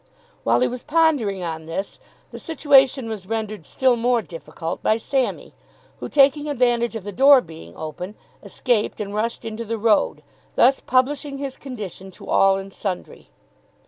While he was pondering on this the situation was rendered still more difficult by Sammy, who, taking advantage of the door being open, escaped and rushed into the road, thus publishing his condition to all and sundry.